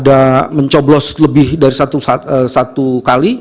sudah mencoblos lebih dari satu kali